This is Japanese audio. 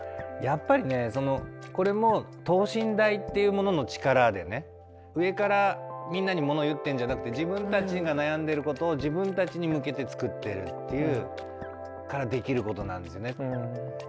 やっぱりねそのこれも等身大っていうものの力でね上からみんなに物を言ってるんじゃなくて自分たちが悩んでいることを自分たちに向けて作ってるっていうからできることなんですね。